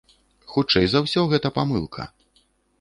Хутчэй за ўсё, гэта памылка.